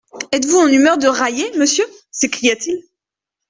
Êtes-vous en humeur de railler, monsieur ? s'écria-t-il.